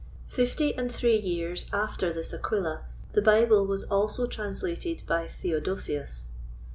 Fifty and three years after this Aquila, the Bible was also translated by Theodosius.